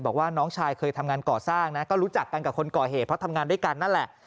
บอกว่าน้องชายเคยทำงานก่อสร้างนะก็รู้จักกันกับคนก่อเหตุเพราะทำงานด้วยกันนั่นแหละ